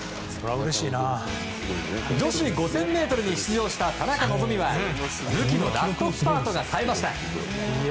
女子５０００ｍに出場した田中希実は武器のラストスパートがさえました。